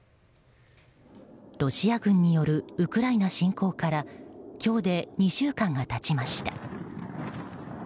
ロシア軍によるウクライナ侵攻から今日で２週間が経ちました。